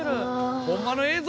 ホンマの映像？